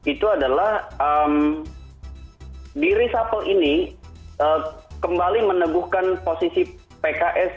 itu adalah di reshuffle ini kembali meneguhkan posisi pks